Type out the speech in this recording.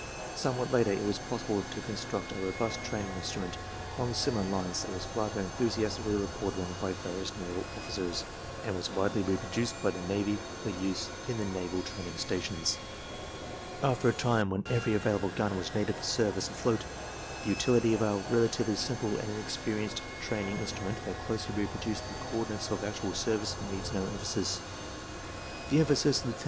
Somewhat later it was possible to construct a robust training instrument along similar lines that was rather enthusiastically reported on by various Naval officers, and was widely reproduced by the Navy for use in the Naval Training Stations. "At a time when every available gun was needed for service afloat, the utility of our relatively simple and inexpensive train ing instrument that closely reproduced the coordinations of actual service needs no emphasis." The emphasis Lieut.